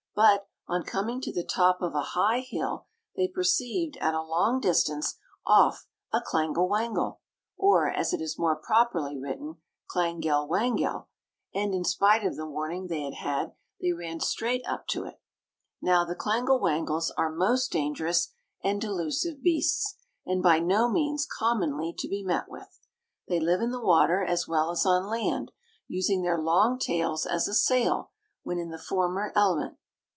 But, on coming to the top of a high hill, they perceived at a long distance off a clangle wangle (or, as it is more properly written, clangel wangel); and, in spite of the warning they had had, they ran straight up to it. (Now, the clangle wangles are most dangerous and delusive beasts, and by no means commonly to be met with. They live in the water as well as on land, using their long tails as a sail when in the former element.